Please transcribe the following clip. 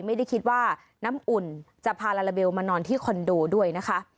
ไม่ได้คิดว่าน้ำอุ่นจะพาลาลาเบลมานอนที่คอนโดด้วยนะคะ